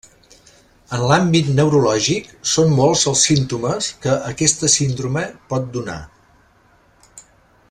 En l'àmbit neurològic són molts els símptomes que aquesta síndrome pot donar.